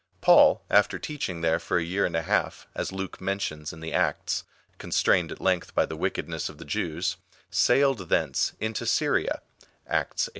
Paul, after teaching there for a year and a half, as Luke mentions in the Acts, constrained at length by the wickedness of the Jews, sailed thence into Syria (Acts xviii.